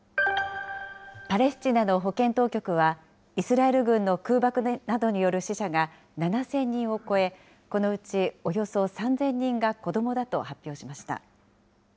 パレスチナの保健当局はイスラエル軍の空爆などによる死者が７０００人を超え、このうちおよそ３０００人が子どもだと発表しまし